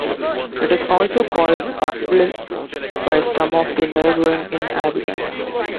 It is also called Pakawle by some of the neighboring inhabitants.